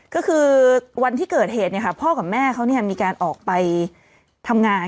ก็คือวันที่เกิดเหตุพ่อกับแม่เขามีการออกไปทำงาน